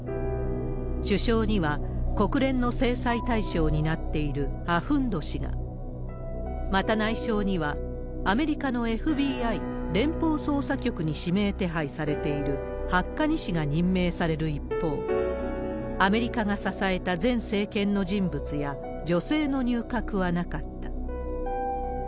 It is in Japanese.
首相には国連の制裁対象になっているアフンド師が、また内相には、アメリカのＦＢＩ・連邦捜査局に指名手配されているハッカニ氏が任命される一方、アメリカが支えた前政権の人物や女性の入閣はなかった。